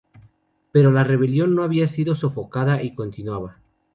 Pero la rebelión no había sido sofocada y continuaba.